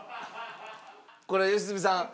これ良純さん